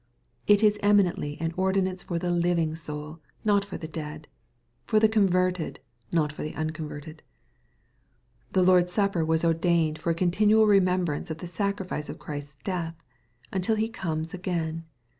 It is eminently an ordinance for the living soul, not for the dead, — ^for the converted, not for the unconverted. The Lord's Supper was ordained for a continual re membrance of the sacrifice of Christ's death, until He comes again.